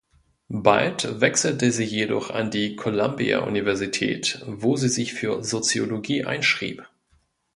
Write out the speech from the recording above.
Bald wechselte sie jedoch an die Columbia Universität, wo sie sich für Soziologie einschrieb.